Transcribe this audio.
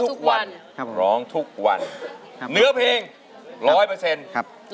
๑๐๐ครับ